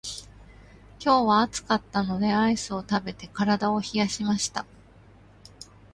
今日は暑かったのでアイスを食べて体を冷やしました。